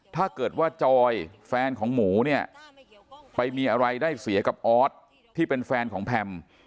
ถ้าเกิดว่าจอยแฟนของหมูเนี่ยไปมีอะไรได้เสียกับออสที่เป็นแฟนของแพม